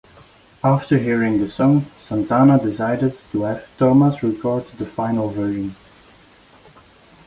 After hearing the song, Santana decided to have Thomas record the final version.